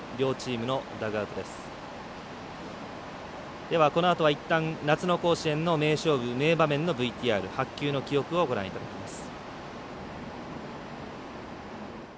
このあとはいったん夏の甲子園の名勝負名場面のＶＴＲ、白球の記憶をご覧いただきます。